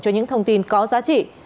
cho những thông tin có giá trị